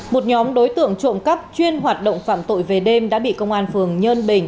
một nhóm đối tượng trộm cắp chuyên hoạt động phạm tội về đêm đã bị công an phường nhân bình